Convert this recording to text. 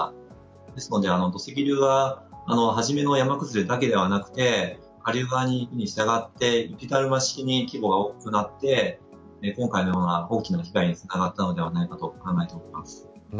ですので、土石流が初めの山崩れだけではなくて下流側に行くにしたがって雪だるま式に規模が大きくなって今回のような大きな被害につながったのではないかと考えています。